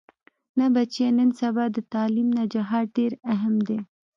نه بچيه نن سبا د تعليم نه جهاد ډېر اهم دې.